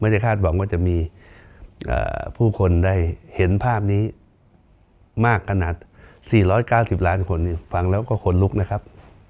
คาดหวังว่าจะมีผู้คนได้เห็นภาพนี้มากขนาด๔๙๐ล้านคนฟังแล้วก็ขนลุกนะครับ